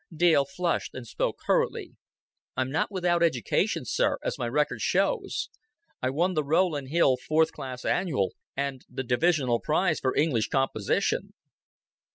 Dale flushed, and spoke hurriedly. "I'm not without education, sir as my record shows. I won the Rowland Hill Fourth Class Annual and the Divisional Prize for English composition."